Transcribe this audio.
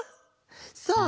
さあ